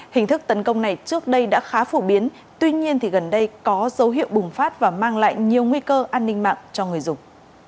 hình thức tấn công này trước đây đã khá phổ biến tuy nhiên gần đây có dấu hiệu bùng phát và mang lại nhiều nguy cơ an ninh mạng cho người dùng